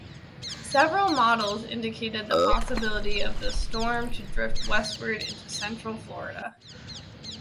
Several models indicated the possibility of the storm to drift westward into central Florida.